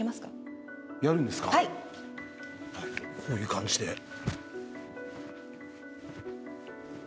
こういう感じで。